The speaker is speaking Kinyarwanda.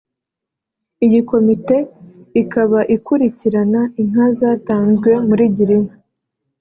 Iyi komite ikaba ikurikirana inka zatanzwe muri Girinka